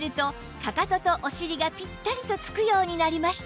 かかととお尻がつくようになりました